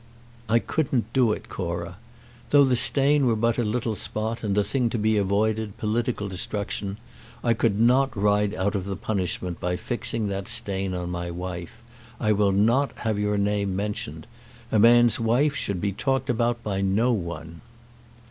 "I couldn't do it, Cora. Though the stain were but a little spot, and the thing to be avoided political destruction, I could not ride out of the punishment by fixing that stain on my wife. I will not have your name mentioned. A man's wife should be talked about by no one."